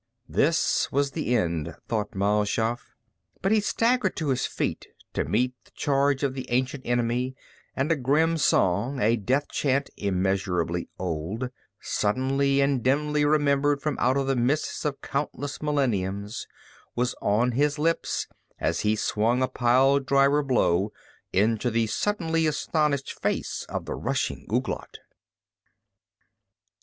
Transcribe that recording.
This was the end, thought Mal Shaff. But he staggered to his feet to meet the charge of the ancient enemy and a grim song, a death chant immeasurably old, suddenly and dimly remembered from out of the mists of countless millenniums, was on his lips as he swung a pile driver blow into the suddenly astonished face of the rushing Ouglat....